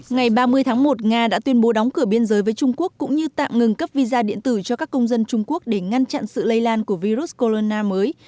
ngày ba mươi tháng một nga đã tuyên bố đóng cửa biên giới với trung quốc cũng như tạm ngừng cấp visa điện tử cho các công dân trung quốc để ngăn chặn sự lây lan của virus corona mới